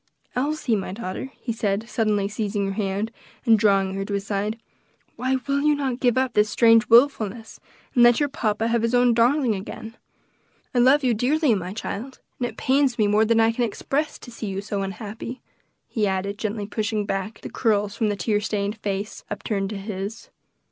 "Elsie, my daughter," he said, suddenly seizing her hand, and drawing her to his side, "why will you not give up this strange wilfulness, and let your papa have his own darling again? I love you dearly, my child, and it pains me more than I can express to see you so unhappy," he added, gently pushing back the curls from the little tear stained face upturned to his.